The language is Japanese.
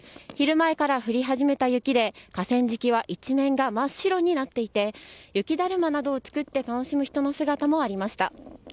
昼前から降り始めた雪で河川敷は、一面が真っ白になっていて雪だるまなどを作って楽しむ人の姿もありました。